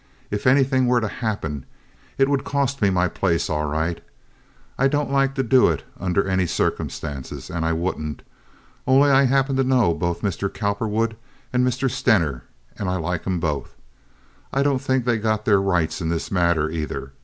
"If anything were to happen, it would cost me my place all right. I don't like to do it under any circumstances, and I wouldn't, only I happen to know both Mr. Cowperwood and Mr. Stener, and I like 'em both. I don' think they got their rights in this matter, either.